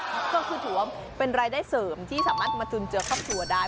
ก็คือถือว่าเป็นรายได้เสริมที่สามารถมาจุนเจือครอบครัวได้